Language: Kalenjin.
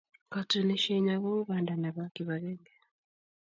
Katunisienyo ko u panda nebo kipakenge